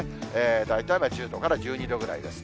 大体、１０度から１２度ぐらいです。